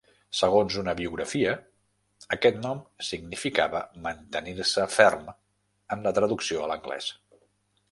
Segons una biografia, aquest nom significava "mantenir-se ferm" en la traducció a l'anglès.